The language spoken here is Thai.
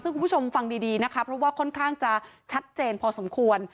ซึ่งคุณผู้ชมฟังดีนะคะเพราะว่าค่อนข้างจะชัดเจนพอสมควร